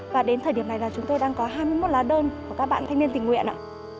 và đến thời điểm này là chúng tôi đang có hai mươi một lá đơn của các bạn thanh niên tình nguyện ạ